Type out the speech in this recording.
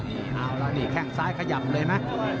เอาละนี่แข้งซ้ายขยับเลยไหม